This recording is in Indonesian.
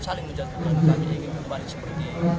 kami ingin kembali seperti yang kita jalani